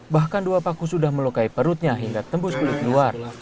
bahkan dua paku sudah melukai perutnya hingga tembus kulit luar